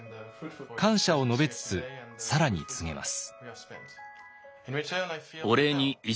感謝を述べつつ更に告げます。